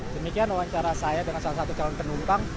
demikian wawancara saya dengan salah satu calon penumpang